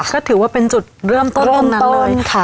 ก็ถือว่าเป็นจุดเริ่มต้นตรงนั้นเลยค่ะ